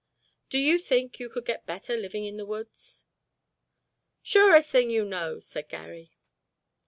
Do you think you get better living in the woods?" "Surest thing you know," said Garry.